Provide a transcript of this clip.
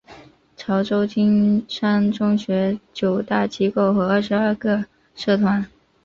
潮州金山中学九大机构和二十二个社团。